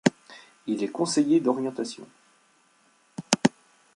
Il est conseiller d'orientation.